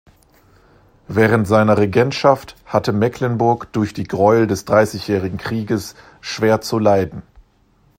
Während seiner Regentschaft hatte Mecklenburg durch die Gräuel des Dreißigjährigen Krieges schwer zu leiden.